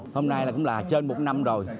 hôm nay cũng là trên một năm rồi